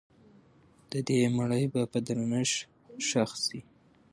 د دې مړي به په درنښت ښخ سي.